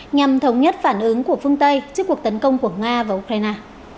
nhằm thống nhất phản ứng của phương tây trước cuộc tấn công của nga và ukraine